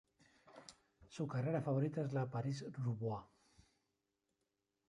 Su carrera favorita es la París-Roubaix.